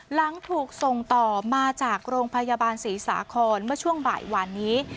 หลังถูกส่งต่อมาจากโรงพยาบาลศรีสาครเมื่อช่วงบ่ายวานนี้